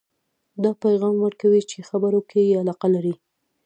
دا پیغام ورکوئ چې خبرو کې یې علاقه لرئ